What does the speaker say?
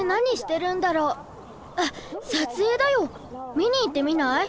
見に行ってみない？